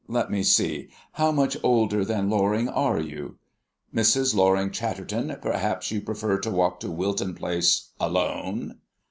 Let me see, how much older than Loring are you?" "Mrs. Loring Chatterton, perhaps you prefer to walk to Wilton Place alone?"